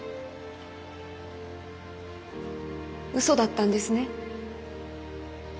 うそだったんですね？